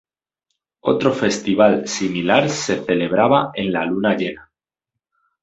Otro festival similar se celebraba en la luna llena.